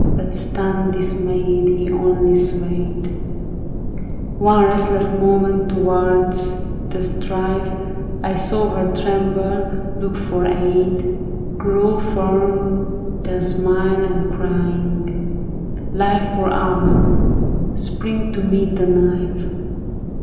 But stunned, dismayed, He only swayed One restless moment towards the strife : I saw her tremble, look for aid, Grow firm, then smile, and crying, " Life For honor !" spring to meet the knife.